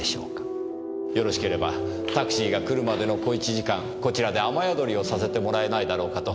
よろしければタクシーが来るまでの小１時間こちらで雨宿りをさせてもらえないだろうかと。